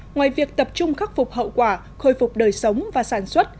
ngoài việc tập trung khắc phục hậu quả khôi phục đời sống và sản xuất